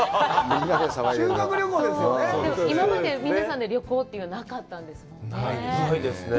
今まで皆さんで旅行というのはなかったんですね。